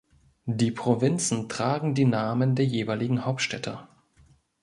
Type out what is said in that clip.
Die Provinzen tragen die Namen der jeweiligen Hauptstädte.